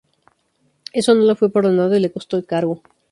Eso no le fue perdonado y le costó el cargo.